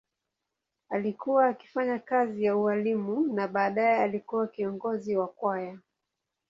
Alikuwa akifanya kazi ya ualimu na baadaye alikuwa kiongozi wa kwaya.